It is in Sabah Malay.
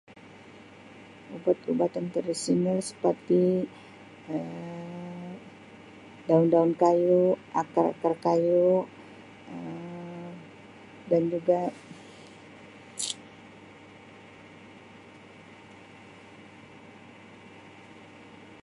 Ubat-ubatan tradisional seperti Um daun-daun kayu, akar-akar kayu Um dan juga